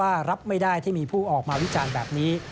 รับไม่ได้ที่มีผู้ออกมาวิจารณ์แบบนี้